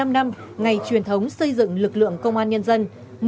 bảy mươi năm năm ngày truyền thống xây dựng lực lượng công an nhân dân